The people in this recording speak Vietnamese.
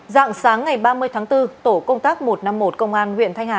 dạng sáng ngày ba mươi tháng bốn tổ công tác một trăm năm mươi một công an huyện thanh hà